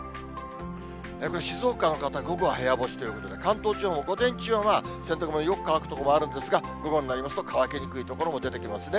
静岡の方、午後は部屋干しということで、関東地方も午前中はまあ、洗濯物よく乾く所もあるんですが、午後になりますと、乾きにくい所も出てきますね。